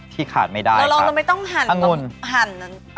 ที่ขาดไม่ได้ครับเราไม่ต้องหั่นอังุ่นหั่น